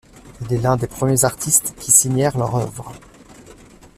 Il est l'un des premiers artistes qui signèrent leurs œuvres.